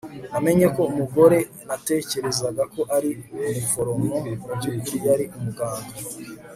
Namenye ko umugore natekerezaga ko ari umuforomo mubyukuri yari umuganga